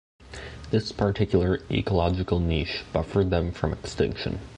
This particular ecological niche buffered them from extinction.